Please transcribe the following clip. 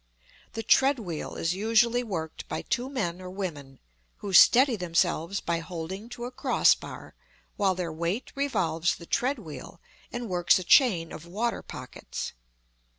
The tread wheel is usually worked by two men or women, who steady themselves by holding to a cross bar, while their weight revolves the tread wheel and works a chain of water pockets.